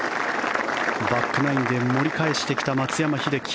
バックナインで盛り返してきた松山英樹。